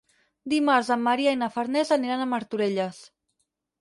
Dimarts en Maria i na Farners aniran a Martorelles.